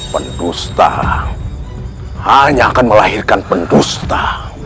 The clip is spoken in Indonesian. pendusta hanya akan melahirkan pendusta